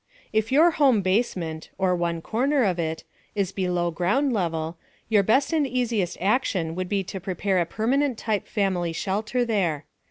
If your home basement or one corner of it is below ground level, your best and easiest action would be to prepare a permanent type family shelter there.